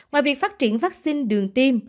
ngoài việc phát triển vaccine đường tim